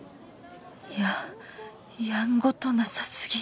ややんごとなさすぎ